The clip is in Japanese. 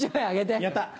やった。